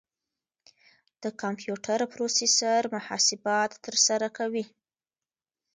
د کمپیوټر پروسیسر محاسبات ترسره کوي.